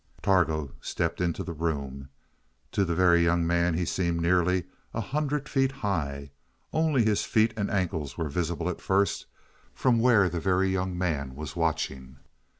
Targo stepped into the room. To the Very Young Man he seemed nearly a hundred feet high. Only his feet and ankles were visible at first, from where the Very Young Man was watching.